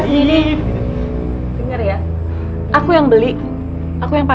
bisa berubah juga